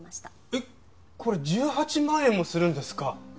えっこれ１８万円もするんですか？